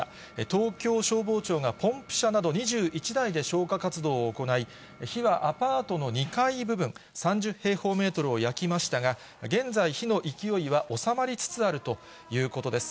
東京消防庁がポンプ車など２１台で消火活動を行い、火はアパートの２階部分、３０平方メートルを焼きましたが、現在、火の勢いは収まりつつあるということです。